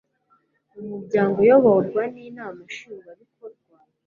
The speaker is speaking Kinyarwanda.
umuryango uyoborwa n inama nshingwabikorwa